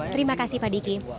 terima kasih pak diki